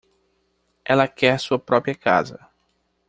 Ela quer sua própria casa.